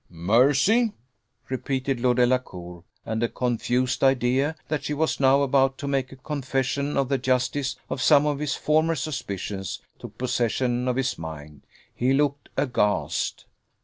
"Mercy!" repeated Lord Delacour; and a confused idea, that she was now about to make a confession of the justice of some of his former suspicions, took possession of his mind: he looked aghast.